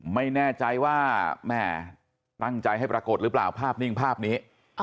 ไม่แน่ใจว่าแม่ตั้งใจให้ปรากฏหรือเปล่าภาพนิ่งภาพนี้